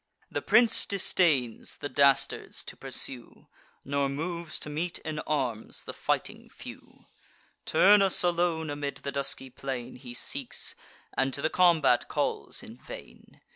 The prince disdains the dastards to pursue, Nor moves to meet in arms the fighting few; Turnus alone, amid the dusky plain, He seeks, and to the combat calls in vain.